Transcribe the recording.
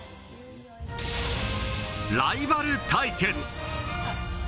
ライバル対決。